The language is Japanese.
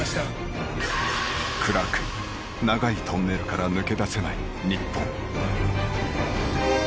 暗く長いトンネルから抜け出せない日本。